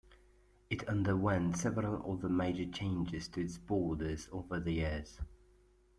It underwent several other major changes to its borders over the years.